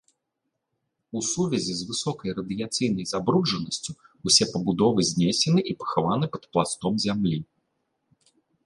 У сувязі з высокай радыяцыйнай забруджанасцю ўсе пабудовы знесены і пахаваны пад пластом зямлі.